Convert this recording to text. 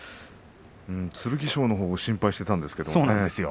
剣翔のほうを心配していたんですが。